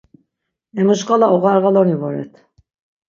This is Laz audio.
Emu şǩala oğarğaloni voret.